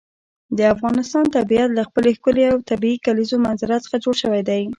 د افغانستان طبیعت له خپلې ښکلې او طبیعي کلیزو منظره څخه جوړ شوی دی.